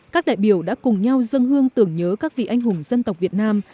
các đại biểu đã cùng nhau dâng hương tưởng nhớ các vị anh hùng dân tộc việt nam